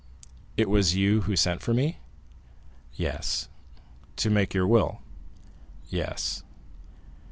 "It was you who sent for me?" "Yes." "To make your will?" "Yes."